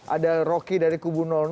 ada rocky dari kubu